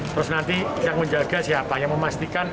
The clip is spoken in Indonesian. terus nanti yang menjaga siapa